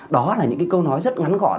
đó là những câu nói rất ngắn gọn